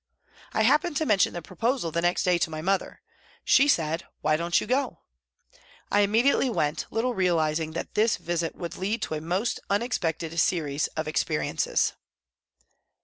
I happened to mention the proposal the next day to my mother. She said :" Why don't you go ?" I immediately went, little realising that this visit would lead to a most unexpected series of experiences.